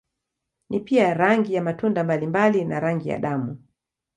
Ni pia rangi ya matunda mbalimbali na rangi ya damu.